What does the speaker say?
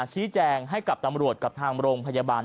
ชี้แจงให้กับตำรวจกับทางโรงพยาบาล